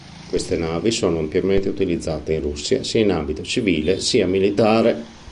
Queste navi sono ampiamente utilizzate in Russia, sia in ambito civile, sia militare.